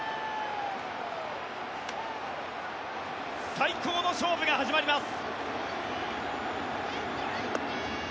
最高の勝負が始まります。